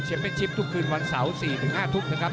ชิปทุกคืนวันเสาร์๔๕ทุ่ม